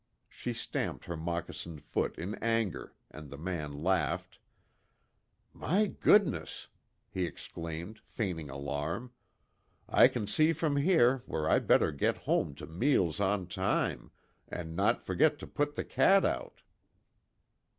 she stamped her moccasined foot in anger, and the man laughed: "My goodness!" he exclaimed feigning alarm, "I can see from here where I better get home to meals on time, and not forget to put the cat out."